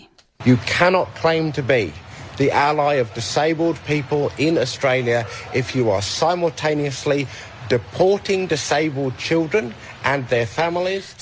anda tidak bisa berkata kata menjadi antara orang orang yang tidak berumur di australia jika anda sedang mengembalikan anak anak yang tidak berumur dan keluarga mereka